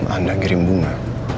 anda kirim bunga